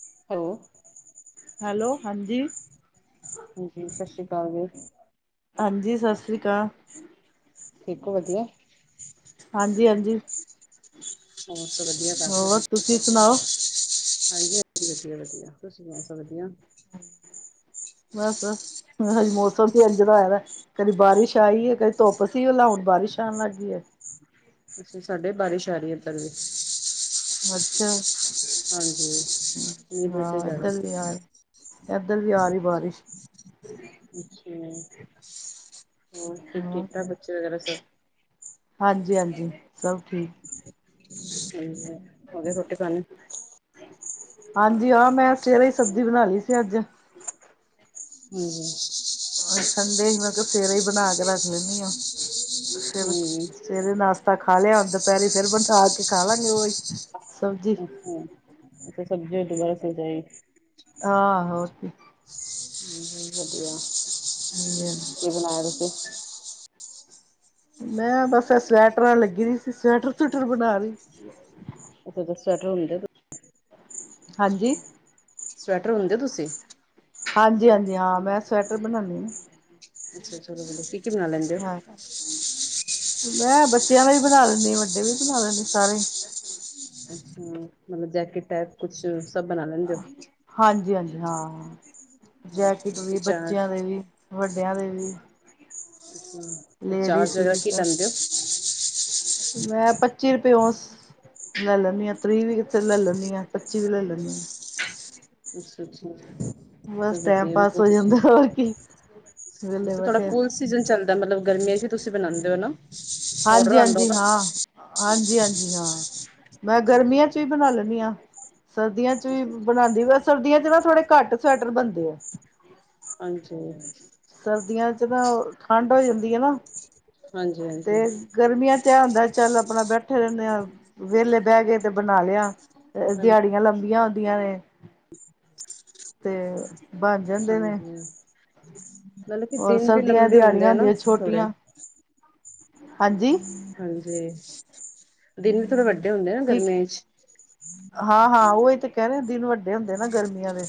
[unintelligible] Hello ਹਾਂਜੀ। ਹਾਂਜੀ, ਸਸ਼੍ਰੀ ਕਾਲ ਜੀ। ਹਾਂਜੀ, ਸਸ਼੍ਰੀ ਕਾਲ। ਠੀਕ ਓ, ਵਦੀਆ? ਹਾਂਜੀ-ਹਾਂਜੀ ਬਾਸ ਵਦੀਆ, ਘਰ ਹੋਰ ਪਰਿਵਾਰ ਸਬ ਤੁਸੀਂ ਠੀਕ-ਠਾਕ? ਸੁਣਾਓ ਹਾਂਜੀ-ਹਾਂਜੀ, ਵਦੀਆ-ਵਦੀਆ, ਤੂਸੀ ਸੂਨਾਓ ਸਬ ਵਦੀਆ? ਬਾਸੱ-ਬਾਸੱ ਮੈ ਹਾ ਆੱਜ ਮੌਸਮ ਹੀ ਐਂਜ ਦਾ ਹੋਏਆ ਦੈ। ਕਦੀ ਬਾਰਿਸ਼ ਆਈ ਏ, ਕਦੀ ਧੁੱਪ ਸੀ ਪੈਲਾਂ, ਹੂਨ ਬਾਰਿਸ਼ ਆਨ ਲਾੱਗ ਗੀ ਏ। ਤੂਸੀ ਸਾਡੇ ਬਾਰੀਸ਼ ਆਰੀ ਏਦੱਰ ਵੀ। ਅੱਛਾ। ਹਾਂਜੀ [unintelligible] ਐਦੱਰ ਵੀ ਆਰੀ ਬਾਰਿਸ਼। ਹੂੰ [unintelligible] ਹਾਂ ਠੀਕ-ਠਾਕ ਬੱਚੇ ਵਗੈਰਾ ਸਬ? ਹਾਂਜੀ, ਹਾਂਜੀ ਸਬ ਠੀਕ। [unintelligible] ਹੋ ਗੇਆ ਰੋਟੀ ਪਾਨੀ? ਹਾਂਜੀ, ਹਾਂ ਮੈਂ ਸਵੇਰੇ ਈ ਸਬਜੀ ਬਨਾ ਲੀ ਸੀ ਆੱਜ। ਹੂੰ। ਆਜ ਸੰਡੇ, ਮੈਂ ਕੈਆ ਸਵੇਰੇ ਈ ਬਣਾ ਕੇ ਰੱਖ ਲੈਨੀ ਆਂ, ਸਿਰ ਹੂੰ ਸਵੇਰੇ ਨਾਸ਼ਤਾ ਖਾ ਲੇਆ ਦੁਪੈਰੀ ਫੇਰ ਬਨਾ ਕੇ ਖਾ ਲਾਂਗੇ ਓਈ ਸਬਜੀ ਹੂੰ, ਸਬਜੀ ਉ ਦੂਪੈਰ ਅਸਤੇ ਬਚਾਈ। ਹਾਂ, ਹੋਰ ਕੀ। ਵਦੀਆ, ਕੀ ਬਨਾ ਰੇ ਸੀ? ਮੈਂ ਬਾੱਸ ਐ ਸਵੈਟਰਾਂ ਲੱਗੀ ਦੀ ਸੀ, ਸਵੈਟਰ-ਸਵੂਟਰ ਬਨਾ ਰੀ। ਅੱਛਾ, ਅੱਛਾ, ਸਵੈਟਰ ਉਂਦੇ ਹਾਂਜੀ। ਸਵੈਟਰ ਉਨਦੇ ਓ ਤੂਸੀ? ਹਾਂਜੀ, ਹਾਂਜੀ, ਹਾਂ ਮੈਂ ਸਵੈਟਰ ਬਨਾਨੀ ਆਂ। ਅੱਛਾ, ਚਲੋ-ਚਲੋ, ਕੀ-ਕੀ ਬਨਾ ਲੈਂਦੇ ਓ? ਹਾਂ ਹਾਂ ਮੈਂ ਬੱਚੇਆਂ ਦਾ ਵੀ ਬਣਾ ਲੈਨੀ, ਵੱਡੇ ਵੀ ਬਣਾ ਲੈਂਨੀ, ਸਾਰੇ ਅੱਛਾ ਮਤਲਬ ਜੈਕਿਟ ਟੈਪ ਕੁੱਛ, ਸਬ ਬਨਾ ਲੈਂਦੇ ਓ? ਹਾਂਜੀ-ਹਾਂਜੀ ਹਾਂ ਜੈਕਟ ਹਾਂਜੀ ਵੀ ਚਾਰ ਬੱਚਿਆਂ ਦੇ ਵੀ ਵੱਡਿਆਂ ਦੇ ਵੀ ਤੇ ਚਾਰਜ ਲੇਡੀਜ਼ ਵੀ ਕੀ ਸਭ ਲੈਂਦੇ ਹੋ। ਮੈਂ ਪੱਚੀ ਰੁਪਏ ਔਂਸ ਲੈ ਲੈਣੀ ਹਾਂ ਤ੍ਰੀਹ ਵੀ ਲੈ ਲੈਂਣੀ ਹਾਂ ਪੱਚੀ ਵੀ ਲੈ ਲੈਂਣੀ ਹਾਂ। ਅੱਛਾ-ਅੱਛਾ ਬਸ ਵਧੀਆ ਤੁਸੀ ਸੁਣਾਓ। ਵੇਹਲੇ ਬੈਠੇ ਆ। ਸੀਜਨ ਚੱਲਦਾ ਮਤਲਬ ਗਰਮੀਆਂ 'ਚ ਤੁਸੀਂ ਬਣਾਉਂਦੇ ਹੋ ਨਾ ਔਡਰ ਆਉਂਦਾ ਉਦਾ ਹਾਂਜੀ- ਹਾਂਜੀ ਹਾਂ ਮੈਂ ਗਰਮੀਆਂ 'ਚ ਵੀ ਹਾਂਜੀ ਬਣਾ ਲੈਂਦੀ ਹਾਂ। ਸਰਦੀਆਂ 'ਚ ਵੀ ਬਣਾਉਂਦੀ ਸਰਦੀਆਂ 'ਚ ਨਾ ਥੋੜੇ ਘੱਟ ਸਵੈਟਰ ਬਣਦੇ ਆ। ਹਾਂਜੀ ਸਰਦੀਆਂ 'ਚ ਨਾ ਠੰਡ ਹੋ ਜਾਂਦੀ ਹੈ ਨਾ। ਹਾਂਜੀ-ਹਾਂਜੀ ਤੇ ਗਰਮੀਆਂ 'ਚ ਇਹ ਹੁੰਦਾ ਚੱਲ ਆਪਣਾ ਬੈਠੇ ਰਹਿੰਣੇ ਆਂ। ਵੇਹਲੇ ਬਹਿ ਗਏ ਤੇ ਬਣਾ ਲਿਆ ਦਿਹਾੜੀਆਂ ਲੰਬੀਆਂ ਹੁੰਦੀਆਂ ਨੇ। ਤੇ ਬਣ ਜਾਂਦੇ ਨੇ। ਹਾਂਜੀ ਮਤਲਬ ਕਿ ਔਰ ਦਿਨ ਵੀ ਸਰਦੀਆਂ ਲੰਬੇ ਦਿਹਾੜੀਆਂ ਹੁੰਦੇ ਆ ਨਾ ਹੁੰਦੀਆਂ ਥੋੜੇ ਛੋਟੀਆਂ ਹਾਂਜੀ ਹਾਂਜੀ ਦਿਨ ਵੀ ਥੋੜੇ ਵੱਡੇ ਹੁੰਦੇ ਆ ਨਾ ਕੀ ਗਰਮੀਆਂ 'ਚ ਹਾਂ-ਹਾਂ ਉਹੀ ਤੇ ਕਹਿ ਰਹੇ ਦਿਨ ਵੱਡੇ ਹੁੰਦੇ ਨਾ ਗਰਮੀਆਂ ਦੇ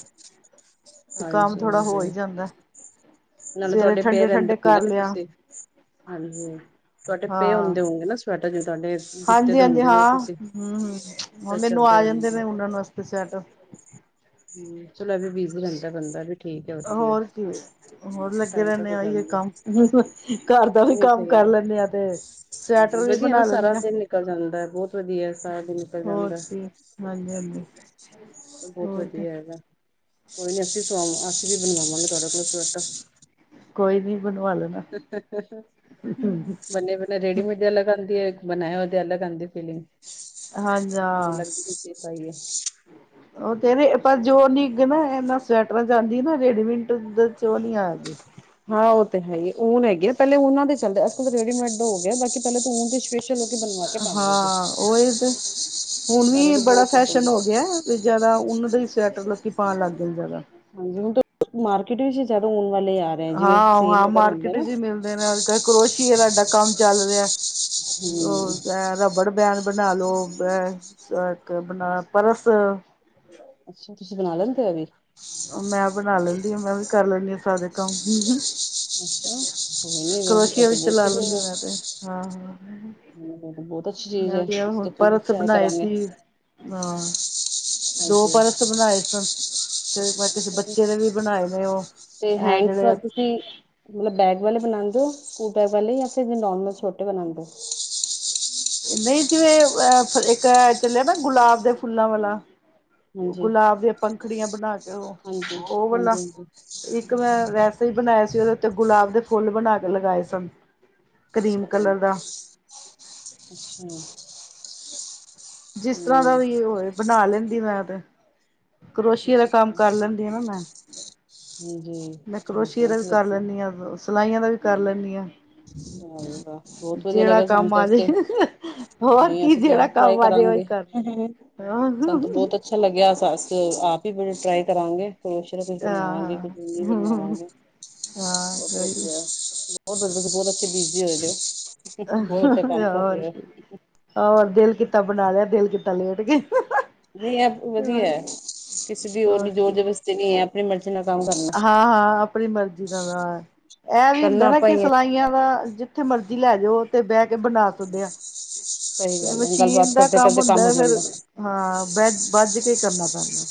ਤੇ ਕੰਮ ਹਾਂਜੀ ਥੋੜਾ ਹੋ ਹੀ ਹਾਂਜੀ ਜਾਂਦਾ। ਨਾਲੇ ਸਵੇਰੇ ਤੁਹਾਡੇ ਪਏ ਰਹਿੰਦੇ ਠੰਡੇ-ਠੰਡੇ ਹੋਣ ਗਏ ਕਰ ਨਾ ਲਿਆ ਤੁਸੀਂ ਹਾਂਜੀ ਤੁਹਾਡੇ ਪੇ ਹਾਂ। ਹੁੰਦੇ ਹੋਊਗੇ ਨਾ ਸਵੈਟਰ ਜੀ ਤੁਹਾਡੇ ਦਿੱਤੇ ਦੇ ਹਾਂਜੀ-ਹਾਂਜੀ ਹੁੰਦੇ ਉਹ ਹਾਂ ਤੁਸੀਂ ਹੂੰ [inaudible] ਫਿਰ ਹੁਣ ਮੈਨੂੰ ਚੱਲਦੇ ਆ ਜਾਂਦੇ ਰਹਿੰਦੇ ਨੇ ਉਣਣ ਵਾਸਤੇ ਸਵੈਟਰ ਹੂੰ ਚਲ ਏ ਵੀ ਬੀਜ ਵੀ ਜਾਂਦਾ ਬੰਦਾ ਵੀ ਠੀਕ ਹੈ ਹੋਰ ਕੀ ਹੈ ਹੋਰ ਲੱਗੇ ਟਾਈਮ ਤੇ ਰਹਿੰਦੇ ਹੋ ਆ ਇਹੀਓ ਜਾਂਦਾ। [inaudible] ਘਰ ਦਾ ਵੀ ਨਹੀਂ ਕੰਮ ਸਹੀ ਕਰ ਹੈ। ਲੈਂਣੇ ਆ ਤੇ ਸਵੈਟਰ ਹਾਂਜੀ ਵੀ ਵਧੀਆ ਨਾ ਬਣਾ ਸਾਰਾ ਲੈਂਣੇ ਹਾਂ। ਦਿਨ ਨਿਕਲ ਜਾਂਦਾ ਹੈ ਬਹੁਤ ਵਧੀਆ ਸਾਰਾ ਦਿਨ ਹੋਰ ਜਾਂਦਾ ਕੀ ਹਾਂਜੀ-ਹਾਂਜੀ। ਬਹੁਤ ਹੋਰ ਕੀ ਵਧੀਆ ਹੈਗਾ ਕੋਈ ਨੀ ਅਸੀਂ ਸਵਾ ਅਸੀਂ ਵੀ ਬਣਵਾਵਾਂਗੇ ਤੁਹਾਡੇ ਕੋਲ ਸਵੈਟਰ ਕੋਈ ਨੀ ਬਣਵਾ ਲੈਣਾ। [inaudible] ਬਨੇ ਬ ਰੇਡੀਮੇਡ ਅਲੱਗ ਆਂਦੀ ਹੈ ਬਣਾਇਆ ਉਹਦੇ ਅਲੱਗ ਆਉਂਦੀ ਫੀਲਿੰਗ [inaudible] ਹਾਂਜੀ ਹਾਂ। ਸਹੀ ਹੈ। ਉਹ ਤੇ ਪਰ ਜੋ ਨਿੱਘ ਇਹਨਾ ਸਵੈਟਰਾਂ 'ਚ ਆਂਦੀ ਨਾ ਰੇਡੀਮਿੰਟ 'ਚ ਉਹ ਨੀ ਆ ਰਹੀ। ਹਾਂ ਉਹ ਤੇ ਹੈਗੀ ਊਨ ਹੈਗੀ ਆ ਪਹਿਲੇ ਉਹਨਾਂ ਦੇ ਚੱਲਦੇ ਅੱਜ ਕੱਲ ਤਾਂ ਰੇਡੀਮੇਡ ਦਾ ਹੋ ਗਿਆ ਬਾਕੀ ਪਹਿਲਾਂ ਤਾਂ ਊਨ ਤੇ ਸ਼ਪੈ ਹਾਂ ਇਹ ਤੇ ਹੁਣ ਪਹਿਲੇ ਵੀ ਤਾਂ ਬੜਾ ਬਹੁਤ ਚੱਲਦੇ ਫੈਸ਼ਨ ਹੋ ਗਿਆ। ਵੀ ਜ਼ਿਆਦਾ ਉਨ ਦਾ ਹੀ ਸਵੈਟਰ ਲੋਕੀ ਪਾਉਣ ਲੱਗ ਗਏ ਨੇ ਜ਼ਿਆਦਾ ਹਾਂਜੀ ਹੁਣ ਤਾਂ ਮਾਰਕੀਟ ਵਿੱਚ ਜ਼ਿਆਦਾ ਊਨ ਵਾਲੇ ਆ ਰਹੇ ਜਿਵੇਂ ਸੇਲ ਹਾਂ-ਹਾਂ ਵਗੈਰਾ ਹੁੰਦਾ ਮਾਰਕੀਟ ਨਾ 'ਚ ਮਿਲਦੇ ਨੇ ਕਰੋਸ਼ੀਏ ਦਾ ਏਡਾ ਕੰਮ ਚੱਲ ਰਿਹਾ ਹਮ ਉਹ ਰ ਵੜ ਬੈਣ ਬਣਾ ਲਓ ਇੱਕ ਆਪਣਾ ਬ ਪਰਸ ਅੱਛਾ ਤੁਸੀਂਬਣਾ ਲੈਂਦੇ ਹੋ ਏ ਵੀ। ਮੈਂ ਬਣਾ ਲੈਂਦੀ ਆਂ ਮੈਂ ਵੀ ਕਰ ਲੈਂਣੀ ਆ ਸਾਰੇ ਕੰਮ ਅੱਛਾ ਕੋਈ ਨੀ ਵੈਸੇ ਇਹ ਕਰੋਸਿਆ ਤਾਂ ਵਿੱਚ ਬਹੁਤ ਲਾ ਵਧੀਆ ਲੈਂਣੀ ਮੈਂ ਤੇ ਹਾਂ। ਗੱਲ ਇਹ ਤਾਂ ਬਹੁਤ ਅੱਛੀ ਚੀਜ਼ ਮੈਂ ਹੈ ਵੀ ਇਸ ਹੁਣ ਤੋਂ ਖੁਦ ਪਰਸ ਟਰਾਈ ਬਣਾਏ ਕਰਾਂਗੇ ਸੀ ਹਾਂ। ਦੋ ਹਾਂਜੀ ਪਰਸ ਬਣਾਏ ਸਨ। ਮੈਂ ਕਿਸੇ ਅੱਛਾ ਜੀ, ਬੱਚੇ ਦੇ ਵੀ ਬਣਾਏ ਨੇ ਉਹ ਤੇ ਇਹ ਹੈਂਡਸ ਜਿਹੜੇ ਤੁਸੀਂ ਮਤਲਬ ਬੈਗ ਵਾਲੇ ਬਣਾਂਦੇ ਹੋ ਸਕੂਲ ਬੈਗ ਵਾਲੇ ਜਾਂ ਫਿਰ ਨੋਰਮਲ ਛੋਟੇ ਬਣਾਂਦੇ ਹੋ। ਨਹੀਂ ਜਿਵੇਂ ਅਹ ਇੱਕ ਚੱਲਿਆ ਨਾ ਗੁਲਾਬ ਦੇ ਫੁੱਲਾਂ ਵਾਲਾ ਹਾਂਜੀ ਗੁਲਾਬ ਦੀਆਂ ਪੰਖੜੀਆਂ ਬਣਾ ਕੇ ਹਾਂਜੀ ਉਹ- ਉਹ ਵਾਲਾ ਲਾ ਹਾਂਜੀ ਹਾਂਜੀ ਇੱਕ ਇੱਕ ਮੈਂ ਵੈਸੇ ਈ ਬਣਾਇਆ ਸੀ, ਓਦੇ ਉੱਤੇ ਗੁਲਾਬ ਦੇ ਫੁੱਲ ਬਣਾ ਕੇ ਲਗਾਏ ਸਨ। ਕਰੀਮ ਅੱਛਾ ਜੀ ਕਲਰ ਦਾ ਅੱਛਾ। ਜਿਸ ਤਰ੍ਹਾਂ ਹਮ ਦਾ ਵੀ ਓ ਹੋਏ ਬਣਾ ਲੈਂਦੀ ਮੈਂ ਤੇ। ਅੱਛਾ ਕਰੋਸ਼ੀਏ ਦਾ ਅੱਛਾ ਕੰਮ ਕਰ ਲੈਂਦੀ ਆ ਨਾ ਮੈਂ। ਅੱਛਾ ਜੀ ਮੈਂ ਚਲੋ ਕਰੋਸ਼ੀਏ ਦਾ ਬਹੁਤ ਵੀ ਵਧੀਆ ਕਰ ਵਾਹ ਲੈਨੀ ਆ। ਸਿਲਾਈਆਂ ਦਾ ਵੀ ਕਰ ਲੈਨੀ ਆ। ਵਾਹ ਬਈ ਵਾਹ ਬਹੁਤ ਵਧੀਆ ਲਗਿਆ ਸਾਨੂੰ ਕੰਮ ਆ ਜੇ ਦਸਦੇ। ਹੋਰ ਨਈ ਕੀ ਅਸੀਂ ਤਾਂ ਜਿਹੜਾ ਆਪ ਟਰਾਈ ਕੰਮ ਆ ਜੇ ਉਹੀ ਕਰਾਂਗੇ ਕਰ ਹਾਂ ਸਾਨੂੰ ਤੋਂ ਬਹੁਤ ਅ ਅੱਛਾ ਲੱਗਿਆੱਸ ਅਸੀ ਆਪ ਈ ਬੜ ਟਰਾਈ ਕਰਾਂਗੇ। ਕਰੋਸ਼ੀਏ ਦਾ ਕੁਛ ਬਣਵਾਵਾਂਗੇ ਹਾਂ ਕੁਝ [unintelligible] ਬਣਵਾਵਾਂਗੇ ਹਾਂ ਬਹੁਤ ਹਾਂ ਵਧੀਆ ਬਹੁਤ ਵਦ ਤੁਸੀਂ ਬਹੁਤ ਅੱਛੇ ਬਿਜੀ ਹੋਏ ਦੇ ਓ ਬੋਤ ਅੱਛਾ ਕੰਮ ਕਰ ਹੋਰ ਰਹੇ ਕੀ ਹੋ। ਹੋਰ ਦਿਲ ਕੀਤਾ ਬਣਾ ਲਿਆ, ਦਿਲ ਕਿੱ ਨਈ ਐ ਵਧੀਆ ਕਿਸੇ ਦੀ ਹੋਰ ਨੀ ਜ਼ੋਰ ਜ਼ਬਰਸ। ਨੀ ਐ ਆਪਣੀ ਮਰਜ਼ੀ ਨਾਲ ਕੰਮ ਕਰਨਾ। ਹਾਂ ਹਾਂ ਆਪਣੀ ਮਰਜ਼ੀ ਦਾ ਐਹ ਵੀ ਹੁੰਦਾ ਕਰਨਾ ਨਾ ਆਪਾਂ ਕਿ ਹੀ ਹੈ ਸਿਲਾਈਆਂ ਦਾ ਥੇ ਮਰਜ਼ੀ ਲੈ ਜੋ ਤੇ ਬਹਿ ਕੇ ਬਣਾ ਸਕਦੇ ਆ। ਸਹੀ ਤੇ ਗੱਲ ਹੈ ਮਸ਼ੀਨ ਗੱਲਬਾਤ ਦਾ ਕਰਦੇ ਕੰਮ ਕਰਦੇ ਹੁੰਦਾ ਹੋ ਐ ਫੇਰ ਜਾਂਦਾ ਹਾਂ ਬੈ ਬੱਜ ਕੇ ਕਰਨਾ ਪੈਂਦਾ ਅ।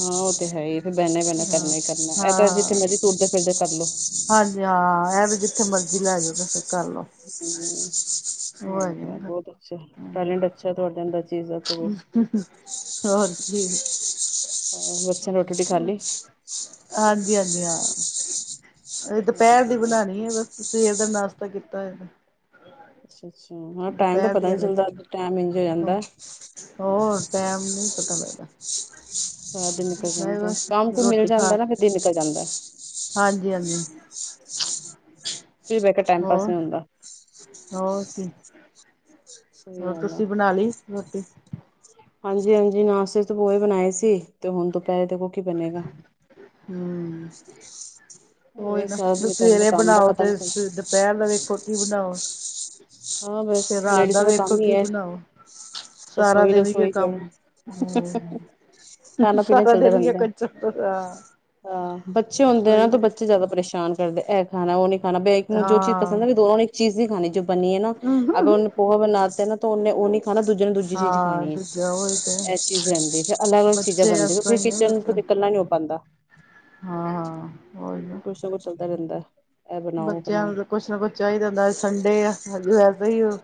ਹਾਂ ਓ ਤੇ ਹੈ ਈ ਫਿਰ ਬੈਨਾ ਈ ਬੈਨਾ ਕਰਨਾ ਹਾਂ ਈ ਕਰਨਾ ਐ ਤਾਂ ਹਾਂ ਜਿੱਥੇ ਮਰਜ਼ੀ ਤੁਰਦੇ ਫਿਰਦੇ ਕਰਲੋ। ਵੀ ਹਾਂ ਐ ਤੇ ਵੀ ਜਿੱਥੇ ਮਰਜ਼ੀ ਲੈ ਜੋ ਤੇ ਫਿਰ ਕਰਲੋ। ਹਮ ਨਾ ਬਹੁਤ ਅੱਛਾ ਟੈਲੈਂਟ ਅੱਛਾ ਤੁਆਡੇ ਅੰਦਰ ਚੀਜ਼ ਦਾ ਤੇ ਵਈ [inaudible] ਅੱਛਾ ਰੋਟੀ ਰੁਟੀ ਖਾਲੀ ਹਾਂਜੀ-ਹਾਂਜੀ ਹਾਂ ਅਜੇ ਦਪੈਰ ਦੀ ਬਣਾਣੀ ਐ ਬਸ ਸਵੇਰ ਦਾ ਨਾਸ਼ਤਾ ਕੀਤਾ ਹੋਇਆ ਦਾ। ਅੱਛਾ ਅੱਛਾ ਹ ਟਾਇਮ ਦਾ ਪਤਾ ਦੀ ਨੀ ਚੱਲਦਾ ਅਲੱਗ ਟੈਮ ਇਝ ਹੋ ਜਾਂਦਾ। ਹੋਰ ਟੈਮ ਨੀ ਪਤਾ ਲਗਦਾ। ਚਾਰ ਦਿਨ ਨਿਕਲ ਜਾਂਦਾ ਕੰਮ ਕੁਮ ਮਿਲ ਜਾਂਦਾ ਨਾ ਫਿਰ ਦਿਨ ਨਿਕਲ ਜਾਂਦਾ। ਹਾਂਜੀ-ਹਾਂਜੀ ਫ੍ਰੀ ਰੈ ਕੇ ਟਾਈਮ ਪਾਸ ਨੀ ਹੁੰਦਾ। ਹੋਰ ਕੀ, ਸਹੀ ਹੋਰ ਗੱਲ ਆ ਤੁਸੀਂ ਬਣਾ ਲੀ ਰੋਟੀ? ਹਾਂਜੀ, ਹਾਂਜੀ ਨਾਸਤੇ ਚ ਤੇ ਪੋਹੇ ਬਣਾਏ ਸੀ ਤੇ ਹੁਣ ਦੁਪਹਿਰੇ ਦੇਖੋ ਕੀ ਬਣੇਗਾ। ਹਮ। ਉਹੀ ਇਹ ਨਾ ਸਾਰਾ ਦਿਨ ਕਰਨ ਦਾ ਸਵੇਰੇ ਕੰਮ ਦਾ ਬਣਾਓ ਪਤਾ ਤੇ ਨੀ ਚੱਲਦਾ ਦੁਪਹਿਰ ਦਾ ਵੇਖੋ ਕੀ ਬਣਾਓ। ਹਾਂ ਬਸ ਤੇ ਰਾਤ ਲੇਡੀਜ਼ਾਂ ਦਾ ਵੇਖੋ ਕੰਮ ਏ ਈ ਕੀ ਐ। ਬਣਾਓ ਸਾਰਾ ਰਸੋਈ, ਦਿਨ ਹੀ ਇਹ ਰਸੋਈ ਕੰਮ ਹਮ ਖਾਣਾ ਪੀਣਾ ਸਾਰਾ ਚੱਲਦਾ ਦਿਨ ਹੀ ਰਹਿੰਦਾ। ਕੁਛ ਹਾਂ ਹਾਂ, ਬੱਚੇ ਹੁੰਦੇ ਨਾ ਸਹੀ ਤੇ ਹੈ ਬੱਚੇ। ਜ਼ਿਆਦਾ ਪਰੇਸ਼ਾਨ ਕਰਦੇ ਇਹ ਖਾਣਾ ਉਹ ਨਹੀਂ ਖਾਣਾ ਇੱਕ ਨੂੰ ਜੋ ਚੀਜ਼ ਪਸੰਦ ਐ ਹਾਂ ਵੀ ਦੋਨਾਂ ਨੂੰ ਇੱਕ ਚੀਜ਼ ਨਹੀਂ ਖਾਣੀ ਜੋ ਬਣੀਏ ਨਾ ਅਗਰ ਉਹਨੇ ਪੋਹੇ ਬਣਾਤੇ ਨਾ ਤਾਂ ਉਹਨੇ ਉਹ ਨੀ ਖਾਣਾ ਦੂਜੇ ਨੂੰ ਦੂਜੀ ਚੀਜ਼ ਹਾਂ ਖਾਣੀ ਐ। ਦੂਜਾ ਹੋਏ ਤੇ ਇਹ ਚੀਜ਼ ਰਹਿੰਦੀ ਹ ਫਿਰ ਅਲੱਗ ਅਲੱਗ ਚੀਜ਼ਾਂ ਬੱਚੇ ਇਸ ਬਣਦੀਆਂ ਫਿਰ ਤਰ੍ਹਾਂ ਹੀ ਹੈ ਕਿਚਨ ਬਸ ਤੋਂ ਨਿਕਲਣਾ ਨੀ ਹੋ ਪਾਉਂਦਾ। ਹਾਂ ਹਾਂ। ਕੁਛ ਨਾ ਕੁੱਛ ਚਲਦਾ ਰਹਿੰਦਾ। ਇਹ ਬਣਾਓ ਬੱਚਿਆਂ ਬਣਾਓ ਨੂੰ ਕੁਛ ਨਾ ਕੁੱਛ ਚਾਈਦਾ ਹੁੰਦਾ ਅਜ ਸੰਡੇ ਆ ਵੈਸੇ ਈ ਓ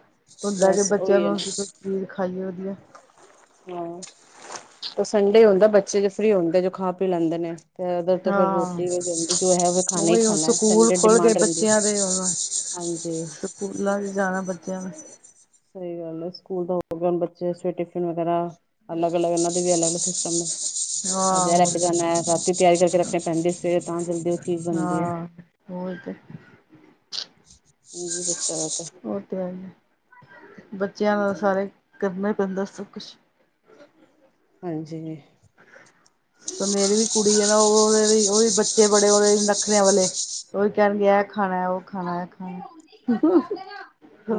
ਹੁੰਦਾ ਕਿ ਬਸ ਬੱਚਿਆਂ ਉਹੀ ਹੈ ਨੂੰ ਨਾ ਅਸੀਂ ਕੋਈ ਚੀਜ਼ ਖਾਈਏ ਵਧੀਆ। ਹਾਂ ਤੇ ਸੰਡੇ ਹੁੰਦਾ ਬੱਚੇ ਜਦ ਫਰੀ ਹੁੰਦੇ ਨੇ ਜੋ ਖਾ ਪੀ ਲੈਂਦੇ ਨੇ। ਤੇ ਉਧਰ ਤੋਂ ਫਿਰ ਹਾਂ ਰੋਟੀ ਵੀ ਜਾਂ ਜੋ ਹੈ ਖਾਣਾ ਹੀ ਉਹੀ ਹੁਣ ਖਾਣਾ ਸਕੂਲ ਸੰਡੇ ਖੁੱਲ ਗਏ ਡਿਮਾਂਡ ਰਹਿੰਦੀ ਐ। ਬੱਚਿਆਂ ਦੇ ਹੁਣ ਹਾਂਜੀ। ਸਕੂਲਾਂ ਜਾਣਾ ਬੱਚਿਆਂ ਨੇ ਸਈ ਗੱਲ ਐ ਸਕੂਲ ਦਾ ਹੋਗੇ ਬੱਚੇ ਟਿਫਿਨ ਵਗੈਰਾ ਅਲਗ, ਅਲੱਗ ਇਹਨਾਂ ਦੇ ਵੀ ਅਲੱਗ ਸਿਸਟਮ ਨੇ। ਅੱਜ ਹਾਂ ਇਹ ਲੈ ਹੋਰ ਕੇ ਕੀ, ਜਾਣਾ ਰਾਤੀ ਤਿਆਰੀ ਕਰਕੇ ਰੱਖਣੀ ਪੈਂਦੀ ਸਵੇਰੇ ਤਾਂ ਜਲਦੀ ਉਹ ਚੀਜ਼ ਬਣਦੀ ਐ। ਓਈ ਤੇ। ਮੂਵੀ ਦੇਖਤਾ ਰਹਿਤਾ ਹੈ। ਉਹ ਤੇ ਹੈ ਬੱਚਿਆਂ ਨਾਲ ਸਾਰੇ ਕਰਨਾ ਹੀ ਪੈਂਦਾ ਸਭ ਕੁਝ। ਹਾਂਜੀ। ਸ ਮੇਰੀ ਵੀ ਕੁੜੀ ਐ ਨਾ ਓ ਉਦੇ ਉਹ ਵੀ ਬੱਚੇ ਬੜੇ ਓਦੇ ਨਖਰਿਆਂ ਵਾਲੇ ਉਹੀ ਕਹਿਣਗੇ, ਇਹ ਖਾਣਾ, ਉਹ ਖਾਣਾ, ਇਹ ਖਾਣਾ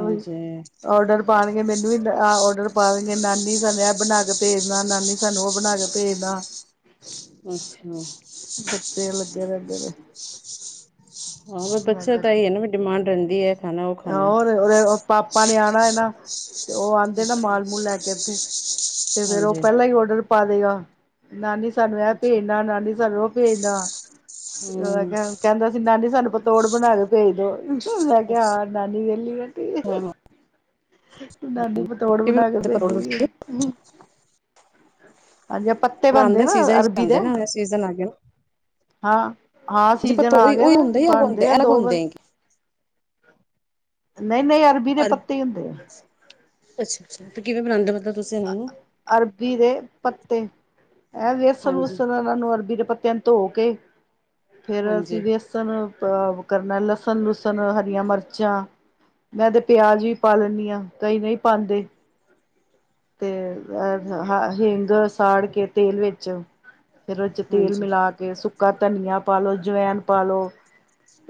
ਉਹੀ। ਆਰਡਰ ਪਾਣਗੇ ਮੈਨੂੰ ਵੀਹ ਆਰਡਰ ਪਾ ਦੇਣਗੇ ਨਾਨੀ ਸਾਨੂੰ ਇਹ ਬਣਾ ਕੇ ਭੇਜਣਾ ਨਾਨੀ। ਤੁਹਾਨੂੰ ਉਹ ਬਣਾ ਕੇ ਭੇਜਦਾ। ਅੱਛਾ। ਬੱਚੇ ਲੱਗੇ ਰਹਿੰਦੇ ਨੇ। ਹਾਂ ਮੈਂ ਬੱਚਾ ਦਾ ਹੀ ਐ ਨਾ ਵੀ ਕਿਹਾ ਡਿਮਾਂਡ ਹੁੰਦੀ ਐ। ਹੋਰ ਪਾਪਾ ਨੇ ਆਉਣਾ ਐ ਨਾ ਤੇ ਉਹ ਆਉਂਦੇ ਨਾ ਅੱਛਾ ਮਾਲ ਮੂਲ ਲੈ ਕੇ ਉੱਥੇ। ਤੇ ਫੇਰ ਉਹ ਹਾਂਜੀ ਪਹਿਲਾਂ ਈ ਓਡਰ ਪਾ ਦੇਗਾ ਨਾਨੀ ਸਾਨੂੰ ਐ ਅੱਛਾ ਭੇਜਣਾ ਨਾਨੀ ਸਾਨੂੰ ਭੇਜਦਾ ਹਮ ਕਹਿੰਦਾ ਸੀ ਨਾਨੀ ਸਾਨੂੰ ਪਤੋੜ ਬਣਾ ਕੇ ਭੇਜ ਦੋ। [unintelligible] ਨਾਨੀ ਵੇਲੀ ਐ। ਹਾਂ ਹਾਂ। ਨਾਨੀ ਪਤੋੜ ਬਣਾ ਕੇ ਪਤੋੜ ਤੁਸੀਂ ਭੇਜੇਗੀ। ਹਾਂਜੀ। ਪੱਤੇ ਬਣਾਉਣ ਬਣਦੇ ਦੇ ਨਾ ਸੀਜ਼ਨ ਵਿੱਚ ਅਰਬੀ ਦੇ ਬਣਦੇ ਨਾ ਸੀਜ਼ਨ ਆ ਗਿਆ ਨਾ। ਹਾਂ ਆਹ ਹਾਂਜੀ ਸੀਜ਼ਨ ਪਤੋ ਆ ਗਿਆ ਉਹੀ ਨਾ ਹੁੰਦੇ ਹੀ ਅਲੱਗ ਹੁੰਦੇ ਬਣਦੇ ਅਲੱਗ ਦੋ ਵਾਰੀ। ਹੁੰਦੇ ਨਹੀਂ ਨਹੀਂ ਅਰਬੀ ਦੇ ਪੱਤੇ ਈ ਹੁੰਦੇ ਆ। ਅੱਛਾ ਅੱਛਾ ਤੇ ਕਿਵੇਂ ਬਣਾਦੇ ਮਤਲਬ ਤੁਸੀਂ ਇਹਨਾ ਨੂੰ? ਅਰਬੀ ਦੇ ਪੱਤੇ ਇਹ ਵੇਸਣ ਹਾਂਜੀ, ਵੁਸਨ। ਉਹਨੂੰ ਅਰਬੀ ਦੇ ਪੱਤਿਆਂ ਨੂੰ ਧੋ ਕੇ ਫੇਰ ਹਾਂਜੀ, ਅਸੀਂ। ਸਾਨੂੰ [unintelligible] ਕਰਨਾ ਲਸਣ ਲੁਸਣ ਹਰੀਆਂ ਮਿਰਚਾਂ ਮੈਂ ਤੇ ਪਿਆਜ ਵੀ ਪਾ ਲੈਂਨੀ ਆ ਕਈ ਨਈ ਪਾਦੇ। ਤੇ ਅ ਹ ਹਿੰਗ ਸਾੜ ਕੇ ਤੇਲ ਵਿੱਚ ਫੇਰ ਓਦ ਚ ਤੇਲ ਹਾਂਜੀ, ਮਿਲਾ ਕੇ, ਸੁੱਕਾ ਧਨੀਆ ਪਾ ਲਓ, ਜਵੈਨ ਪਾ ਲਓ।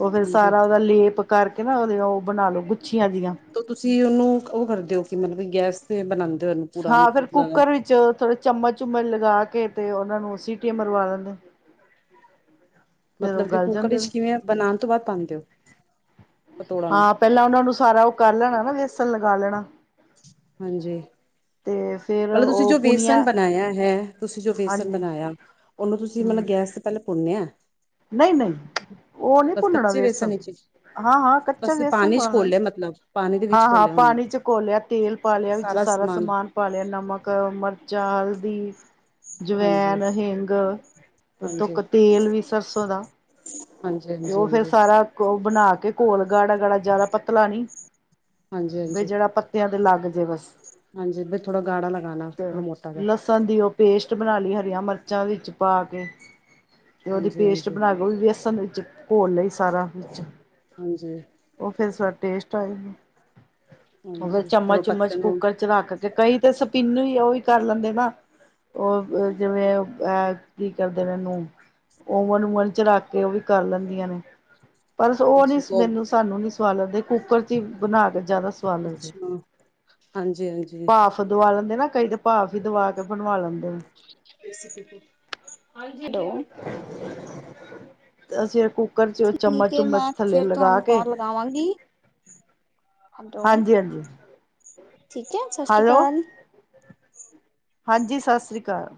ਓ ਫੇਰ ਹਾਂਜੀ। ਸਾਰਾ ਤਾਂ ਓਦਾ ਲੇਪ ਕਰਕੇ ਨਾ ਓਦੇ ਓ ਬਣਾ ਲੋ ਗੁੱਛੀਆਂ ਜੇਈਆ। ਤੇ ਤੁਸੀਂ ਓਨੂੰ ਓ ਕਰਦੇ ਓ ਕਿ ਮਤਲਬ ਗੈਸ ਤੇ ਬਣਾਦੇ ਓ ਉਹਨੂੰ ਪੂਰਾ ਮਤਲਬ ਚੋਲ ਥੋੜੇ ਚਮਚ- ਚੁੰਮਚ ਲਗਾ ਕੇ ਤੇ, ਉਹਨਾ ਨੂੰ ਸੀਟੀਆਂ ਮਰਵਾ ਦਿੰਦੇ। ਮਤਲਬ ਕਿ ਗਲ ਕੁੱਕਰ ਜਾਂਦੇ ਵਿੱਚ ਨੇ ਕਿਵੇਂ ਬਣਾਉਣ ਤੋਂ ਬਾਅਦ ਪਾਉਂਦੇ ਹੋ ਪਤੋੜਾਂ ਨੂੰ। ਹਾਂ ਪਹਿਲਾਂ ਉਹਨਾਂ ਨੂੰ ਸਾਰਾ ਉਹ ਕਰ ਲੈਣਾ ਨਾ ਵੇਸਨ ਲਗਾ ਲੈਣਾ। ਹਾਂਜੀ। ਤੇ ਫੇਰ ਮਤਲਬ, ਤੁਸੀਂ ਉਹ ਜੋ ਵੇਸਨ ਪੁੁਣੀਆਂ ਬਣਾਇਆ ਹੈ। ਤੁਸੀਂ ਜੋ ਵੇਸਨ ਹਾਂਜੀ ਬਣਾਇਆ, ਉਹਨੂੰ ਤੁਸੀਂ ਹੂੰ ਮਤਲਬ ਗੈਸ ਕੱਲ ਪੁੰਨਿਆ ਨਹੀਂ -ਨਹੀਂ, ਉਹ ਨਹੀਂ ਭੁੰਨਣਾ ਕੱਚੇ ਬੇਸਨ ਵੇਸਣ ਵਿੱਚ ਹਾਂ ਹਾਂ ਕੱਚਾ ਬਸ ਬੇਸਣ ਪਾਣੀ ਚ ਪਾਉਣਾ ਘੋਲਿਆ ਮਤਲਬ ਪਾਣੀ ਦੇ ਵਿੱਚ ਹਾਂ ਹਾਂ ਘੋਲਿਆ ਉਹਨੂੰ ਪਾਣੀ ਚ ਘੋਲਿਆ। ਤੇਲ ਪਾ ਲਿਆ, ਵਿੱਚ ਸਾਰਾ ਸਮਾਨ ਪਾ ਲਿਆ ਨਮਕ, ਮਿਰਚਾਂ, ਹਲਦੀ ਹਾਂਜੀ, ਜਵੈਨ, ਹਿੰਗ, ਹਾਂਜੀ, ਹਾਂਜੀ, ਧੁੱਕ, ਤੇਲ ਵੀ। [unintelligible] ਦਾ ਹਾਂਜੀ, ਤੇ, ਉਹ ਫੇਰ ਹਾਂਜੀ, ਸਾਰੇ ਬਣਾ ਕੇ, ਘੋਲ ਗਾੜਾ- ਗਾੜਾ, ਜਿਆਦਾ ਪਤਲਾ ਨੀ ਹਾਂਜੀ, ਬਈ ਹਾਂਜੀ। ਜਿਹੜਾ ਪ [unintelligible] ਦੇ ਲੱਗ ਜੇ ਬਸ। ਹਾਂਜੀ ਵੀ ਥੋੜਾ ਗਾੜਾ ਲਗਾਣਾ ਤੇ ਥੋੜਾ ਮੋਟਾ ਜਾ। [unintelligible] ਦੀ, ਉਹ ਪੇਸਟ ਬਣਾ ਲਈ, ਹਰੀਆਂ ਮਿਰਚਾਂ ਵਿੱਚ ਪਾ ਕੇ। ਤੇ, ਉਹਦੀ ਹਾਂਜੀ ਪੇਸਟ ਹਾਂਜੀ ਬਣਾ ਕੇ, ਉਹ ਵੀ ਵੇਸਣ ਵਿੱਚ ਘੋਲ ਲਈ, ਸਾਰਾ ਵਿੱਚ ਹਾਂਜੀ। ਉਹ ਫੇਰ ਟੇਸਟ ਆ ਜਾਂਦਾ, ਉਹ ਫੇਰ ਹਾਂਜੀ ਚਮਚ- ਉਹ ਚੁਮਚ ਪੱਤੇ ਨੂੰ ਕੁੱਕਰ ਚ ਰੱਖ ਕੇ, ਕਈ ਤਾਂ ਸਪਿੰਨ ਹੀ, ਉਹੀ ਕਰ ਲੈਂਦੇ ਨਾ। ਉਹ ਜਿਵੇਂ ਕੀ ਕਰਦੇ ਨੇ ਉਹਨੂੰ। ਓਵਨ -ਓੂਵਨ ਚਲਾ ਕੇ, ਉਹ ਵੀ ਕਰ ਲੈਂਦੀਆਂ ਨੇ। ਪਰ, ਉਹ ਨੀ ਮੈਨੂੰ ਸਾਨੂੰ ਨੀ ਸਵਾਦ ਲੱਗਦੇ, ਕੁੱਕਰ ਚ ਹੀ ਬਣਾ ਕੇ, ਜ਼ਿਆਦਾ ਸਵਾਦ ਲੱਗਦੇ ਹੈ। ਅੱਛਾ ਹਾਂਜੀ ਹਾਂਜੀ। ਭਾਫ਼ ਦਵਾ ਲੈਂਦੇ ਨਾ ਕਈ ਤੇ ਭਾਫ਼ ਹੀ ਦਵਾ ਕੇ ਬਣਵਾ ਲੈਂਦੇ ਨੇ। ਹੈਲੋ? ਤੇ ਅਸੀ ਇਹ ਕੁਕ। ਕੁੱਕਰ ਚ ਉਹ ਠੀਕ ਚਮਚ ਹੈ ਚੁੰਮਚ ਮੈਂ ਥੱਲੇ ਫਿਰ ਲਗਾ ਤੁਹਾਨੂੰ ਕੇ। ਕਾਲ ਲਗਾਵਾਂਗੀ ਹੈਲੋ ਹਾਂਜੀ- ਹਾਂਜੀ। ਠੀਕ ਹੈ, ਸਤਿ ਸ਼੍ਰੀ ਹੈਲੋ ਅਕਾਲ। ਹਾਂਜੀ ਸਤਿ ਸ਼੍ਰੀ ਅਕਾਲ।